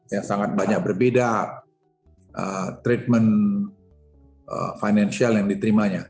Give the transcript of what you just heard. yang sangat banyak berbeda treatment financial yang diterimanya